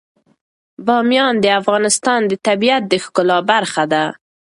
بامیان د افغانستان د طبیعت د ښکلا برخه ده.